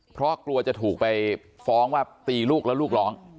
เพราะกลัวจะถูกไปฟ้องว่าตีลูกแล้วลูกร้อง